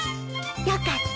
よかった。